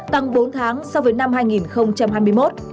tăng bốn tháng so với năm hai nghìn hai mươi một